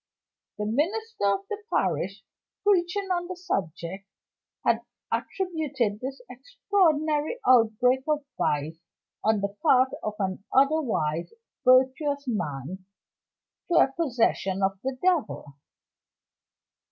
The minister of the parish, preaching on the subject, had attributed this extraordinary outbreak of vice on the part of an otherwise virtuous man, to a possession of the devil.